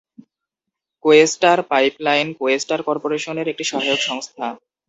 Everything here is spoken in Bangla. কোয়েস্টার পাইপলাইন কোয়েস্টার কর্পোরেশনের একটি সহায়ক সংস্থা।